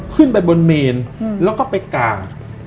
ขึ้นไปบนเมนแล้วก็ไปกาก